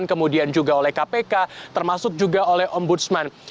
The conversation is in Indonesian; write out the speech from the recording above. kemudian juga oleh kpk termasuk juga oleh om budsman